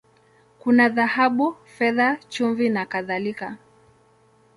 Kuna dhahabu, fedha, chumvi, na kadhalika.